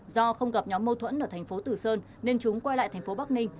do không gặp nhóm mâu thuẫn ở thành phố tử sơn nên chúng quay lại thành phố bắc ninh